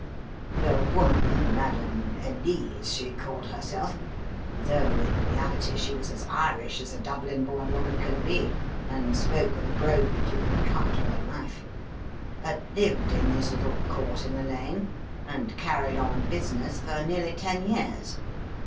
The woman, Madame Elise she called herself, though in reality she was as Irish as a Dublin born woman can be and spoke with a brogue that you could cut with a knife, had lived in this little court in the lane, and carried on business for nearly ten years.